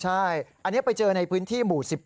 ใช่อันนี้ไปเจอในพื้นที่หมู่๑๗